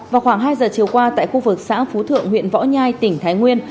vào khoảng hai giờ chiều qua tại khu vực xã phú thượng huyện võ nhai tỉnh thái nguyên